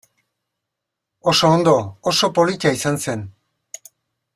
Oso ondo, oso polita izan zen.